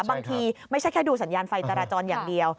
ไม่ใช่แค่ดูสัญญาณไฟจราจรอย่างเดียว